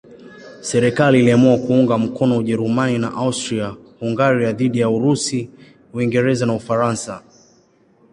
Serikali iliamua kuunga mkono Ujerumani na Austria-Hungaria dhidi ya Urusi, Uingereza na Ufaransa.